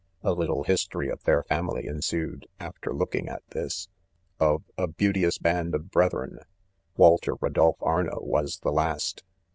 ' A little his tory of their, family ensued after looking at this. Of "a beauteous band of brethren," "Walter Rodolph Arno was the last.